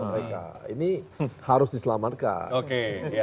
mereka ini harus diselamatkan oke ya